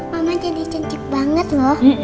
mama jadi cantik banget loh